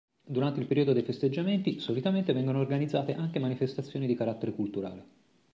Durante il periodo dei festeggiamenti solitamente vengono organizzate anche manifestazioni di carattere culturale.